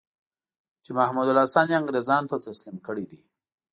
چې محمودالحسن یې انګرېزانو ته تسلیم کړی دی.